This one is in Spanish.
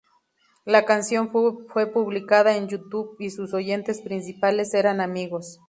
La canción fue publicada en YouTube y sus oyentes principales eran amigos.